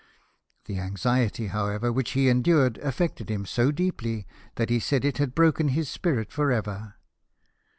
The anxiety, however, which he endured affected him so deeply that he said it had broken his spirit for ever.